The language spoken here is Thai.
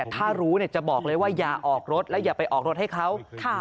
ถ้ารู้จะบอกเลยว่าอย่าออกรถและอย่าไปออกรถให้เขา